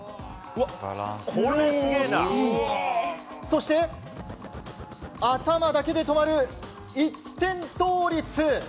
そして頭だけで止まる一点倒立。